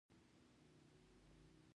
آیا د بورې فابریکه فعاله ده؟